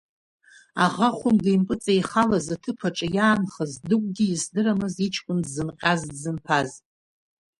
Аӷа хәымга импыҵеихалаз аҭыԥаҿ иаанхаз Дыгәгьы издырамызт иҷкәын дзынҟьаз, дзынԥаз.